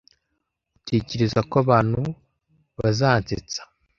Utekereza ko abantu bazansetsa?